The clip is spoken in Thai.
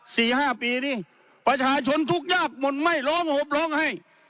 สี่ห้าปีนี่ประชาชนทุกข์ยากหมดไม่ร้องหบร้องไห้